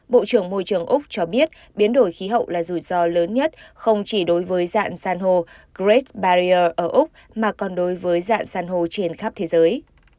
bộ trưởng môi trường úc cho biết biến đổi khí hậu là rủi ro lớn nhất không chỉ đối với dạng san hô greg barier ở úc mà còn đối với dạng san hô trên khắp thế giới